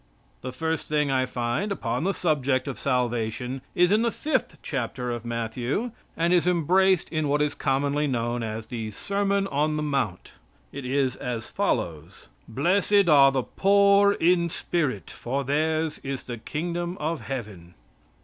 The first thing I find upon the subject of salvation is in the fifth chapter of Matthew, and is embraced in what is commonly known as the sermon on the Mount. It is as follows: "Blessed are the poor in spirit, for theirs is the kingdom of heaven."